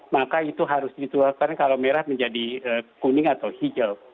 maka itu harus ditularkan kalau merah menjadi kuning atau hijau